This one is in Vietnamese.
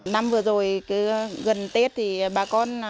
năm vừa rồi gần tết thì bà con thấy khó khăn